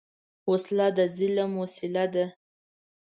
وسله د ظلم وسیله ده